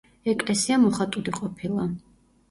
ეკლესია მოხატული ყოფილა.